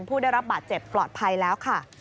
ผู้ได้รับบาดเจ็บปลอดภัยแล้วค่ะ